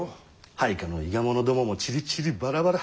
配下の伊賀者どももちりちりバラバラ。